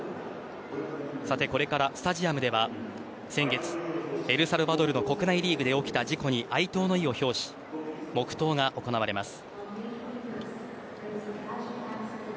これからスタジアムでは先月エルサルバドルの国内リーグで起きた事故に哀悼の意を表し黙とうが行われます。